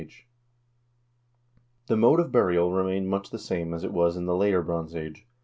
A The mode of burial remained much the same as it was in the later Bronze Age.